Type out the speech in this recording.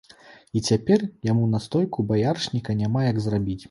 І цяпер яму настойку баярышніка няма як зрабіць.